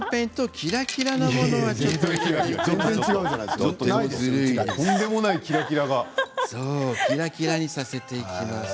キラキラを足していきます